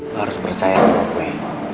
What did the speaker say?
harus percaya sama gue